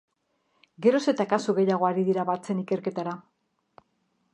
Geroz eta kasu gehiago ari dira batzen ikerketara.